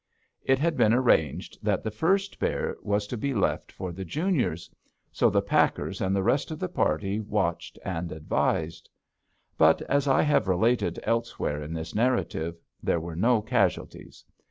It had been arranged that the first bear was to be left for the juniors. So the packers and the rest of the party watched and advised. But, as I have related elsewhere in this narrative, there were no casualties.